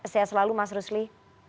saya selalu mas rusli